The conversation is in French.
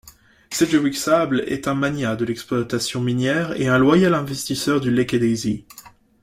Sedgewick Sable est un magnat de l'exploitation minière et un loyal investisseur du Lackadaisy.